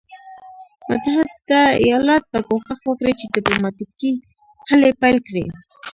متحده ایالات به کوښښ وکړي چې ډیپلوماټیکي هلې پیل کړي.